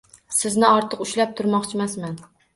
Sizni ortiq ushlab turmoqchimasman